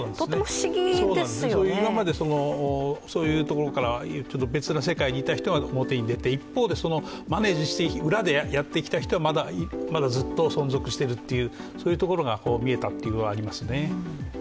そうなんですね、今までそういうところから別の世界にいた人が表に出て、一方でマネージして、裏でやってきた人がまだずっと存続しているというところが見えたというのはありますね。